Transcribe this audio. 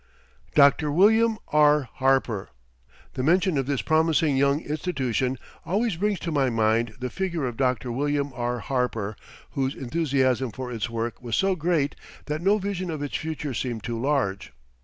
DR. WILLIAM R. HARPER The mention of this promising young institution always brings to my mind the figure of Dr. William R. Harper, whose enthusiasm for its work was so great that no vision of its future seemed too large.